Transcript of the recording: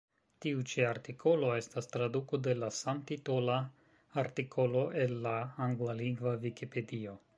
Tiu ĉi artikolo estas traduko de la samtitola artikolo el la anglalingva Vikipedio.